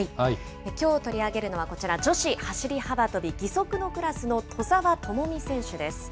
きょう取り上げるのはこちら、女子走り幅跳び義足のクラスの兎澤朋美選手です。